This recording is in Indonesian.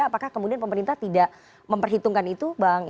apakah kemudian pemerintah tidak memperhitungkan itu bang